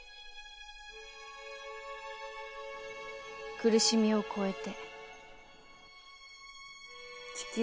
「苦しみを超えて」。